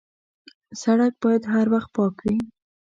سړک باید هر وخت پاک وي.